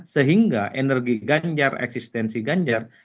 sehingga energi ganjar eksistensi ganjar